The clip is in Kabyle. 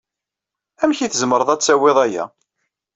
Amek ay tzemreḍ ad tawyeḍ aya?